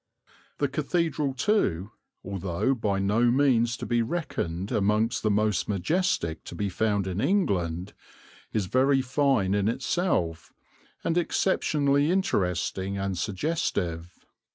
The cathedral too, although by no means to be reckoned amongst the most majestic to be found in England, is very fine in itself, and exceptionally interesting and suggestive.